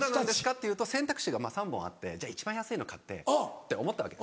っていうと選択肢が３本あってじゃあ一番安いの買ってって思ったわけ。